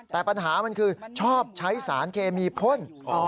แต่ปัญหามันคือชอบใช้สารเคมีพ่น